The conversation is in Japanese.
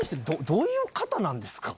どういう方なんですか？